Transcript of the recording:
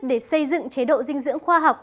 để xây dựng chế độ dinh dưỡng khoa học